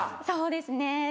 そうですね。